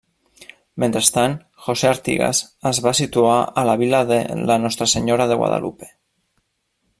Mentrestant José Artigas es va situar a la vila de La nostra Senyora de Guadalupe.